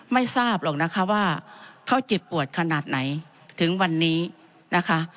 ไม่ทราบหรอกนะคะว่าเขาเจ็บปวดขนาดไหนถึงวันนี้นะคะ